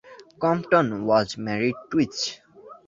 Compton was married twice.